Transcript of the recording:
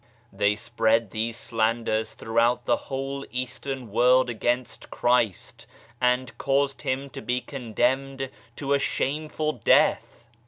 They spread these slanders throughout the whole Eastern world against Christ, and caused Him to be condemned to a shameful death